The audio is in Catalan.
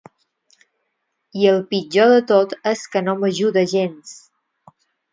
I el pitjor de tot és que no m'ajuda gens.